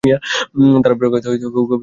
তাঁর প্রকাশিত কবিতার বইয়ের সংখ্যা চার।